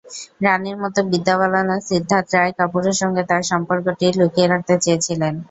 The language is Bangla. রানীর মতো বিদ্যা বালানও সিদ্ধার্থ রায় কাপুরের সঙ্গে তাঁর সম্পর্কটি লুকিয়ে রাখতে চেয়েছিলেন।